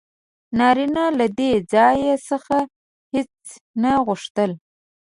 نارینه له دې څخه زیات هیڅ نه غوښتل: